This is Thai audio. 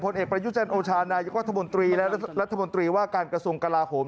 ผลเอกประยุจรรย์โอชาณายกวธมนตรีและรัฐมนตรีว่าการกระทรวงกราหม